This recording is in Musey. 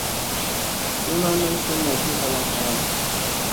Suuna noy summa ki halaŋ halaŋ.